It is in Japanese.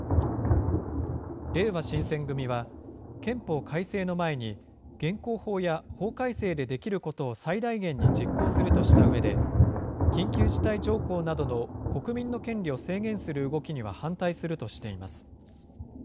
れいわ新選組は、憲法改正の前に、現行法や法改正でできることを最大限に実行するとしたうえで、緊急事態条項などの国民の権利を制限する動きには反対するとしています。